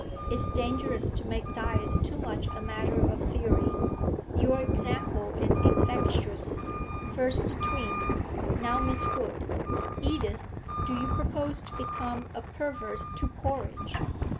It's dangerous to make diet too much a matter of theory. Your example is infectious; first the twins; now Miss Hood. Edith, do you propose to become a pervert to porridge?'